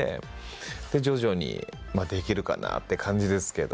で徐々にできるかなって感じですけど。